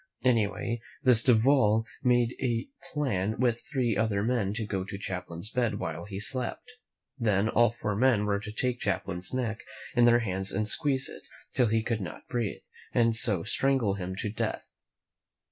Anyway, this Duval made a plan with three other men to go to Champlain's bed while he slept. Then all the four men were to take Champlain's neck in their hands and squeeze it till he could not breathe, and so strangle him to death.